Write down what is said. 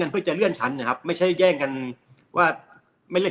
เพื่อจะเลื่อนชั้นนะครับไม่ใช่แย่งกันว่าไม่เล่น